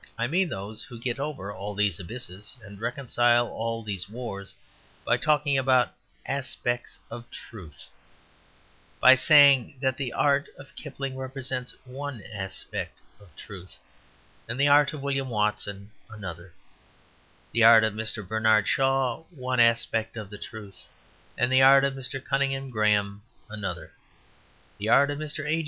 I mean those who get over all these abysses and reconcile all these wars by talking about "aspects of truth," by saying that the art of Kipling represents one aspect of the truth, and the art of William Watson another; the art of Mr. Bernard Shaw one aspect of the truth, and the art of Mr. Cunningham Grahame another; the art of Mr. H.